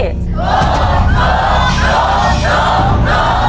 โดดโดดโดดโดดโดด